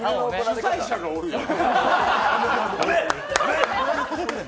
主催者がおるやん。